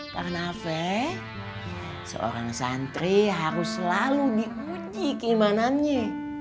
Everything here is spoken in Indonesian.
karena faye seorang santri harus selalu diuji keimanannya